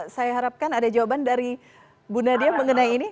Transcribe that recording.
saya harapkan ada jawaban dari bu nadia mengenai ini